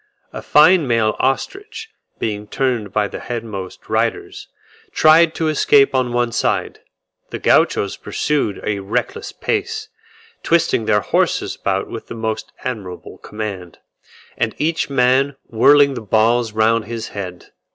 A fine male ostrich being turned by the headmost riders, tried to escape on one side. The Gauchos pursued at a reckless pace, twisting their horses about with the most admirable command, and each man whirling the balls round his head.